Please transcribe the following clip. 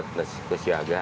ini untuk apa